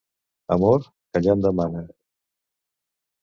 Amor, callant demana.